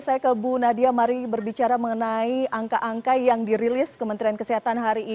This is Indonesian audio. saya ke bu nadia mari berbicara mengenai angka angka yang dirilis kementerian kesehatan hari ini